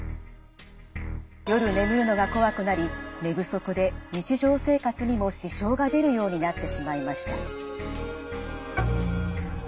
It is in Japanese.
夜眠るのがこわくなり寝不足で日常生活にも支障が出るようになってしまいました。